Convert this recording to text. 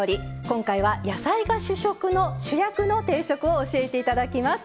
今回は野菜が主食の主役の定食を教えて頂きます。